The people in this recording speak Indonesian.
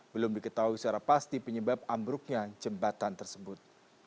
belum diketahui secara pasti penyebab ambruknya jembatan tersebut